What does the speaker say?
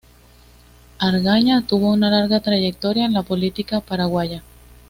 Argaña tuvo una larga trayectoria en la política paraguaya.